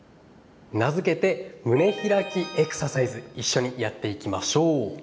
名付けて、胸開きエクササイズ一緒にやっていきましょう。